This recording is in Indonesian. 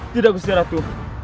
tidak kusirat lu